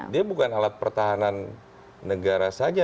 dia bukan alat pertahanan negara saja